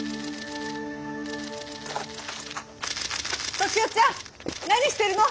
登志夫ちゃん何してるの！